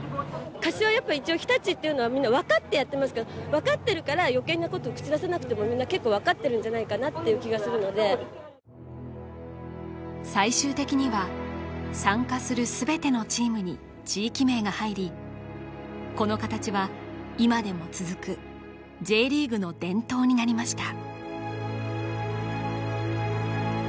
柏やっぱ一応日立っていうのはみんな分かってやってますから分かってるから余計なこと口出さなくてもみんな結構分かってるんじゃないかなっていう気がするので最終的には参加する全てのチームに地域名が入りこの形は今でも続くＪリーグの伝統になりました